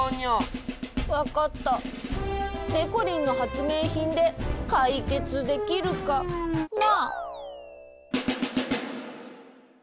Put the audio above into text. わかった。でこりんのはつめいひんでかいけつできるかな？